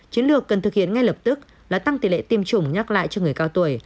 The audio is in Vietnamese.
chiến lược cần thực hiện ngay lập tức là tăng tỷ lệ tiêm chủng nhắc lại cho người cao tuổi